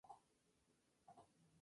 Fue el máximo taponador de su selección.